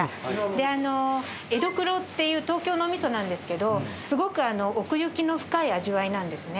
であの江戸黒っていう東京のおみそなんですけどすごく奥行きの深い味わいなんですね。